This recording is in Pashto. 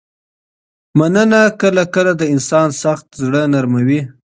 مننه کله کله د انسان سخت زړه نرموي.